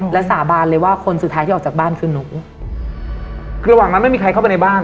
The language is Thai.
และสาบานเลยว่าคนสุดท้ายที่ออกจากบ้านคือหนูคือระหว่างนั้นไม่มีใครเข้าไปในบ้าน